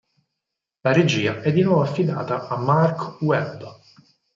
La regia è di nuovo affidata a Marc Webb.